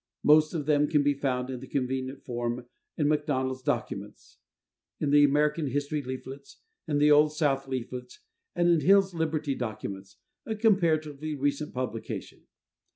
Most of them can be found in convenient form in MacDonald's "Documents," in the "American History Leaflets," in the "Old South Leaflets," and in Hill's "Liberty Documents," a comparatively recent publication.